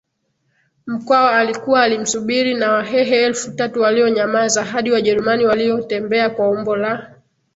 Mkwawa alikuwa alimsubiri na Wahehe elfu tatu walionyamaza hadi Wajerumani waliotembea kwa umbo la